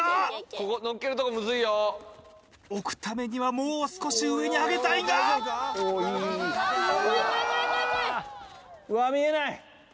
ここのっけるとこむずいよ置くためにはもう少し上に上げたいがうわ見えない！